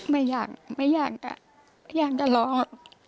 ไม่อยากไม่อยากอ่ะอยากจะลอง